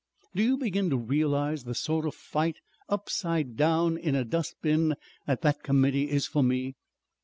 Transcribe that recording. Do you begin to realize the sort of fight, upside down in a dustbin, that that Committee is for me?"